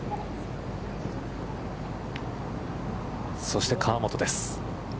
そして河本です。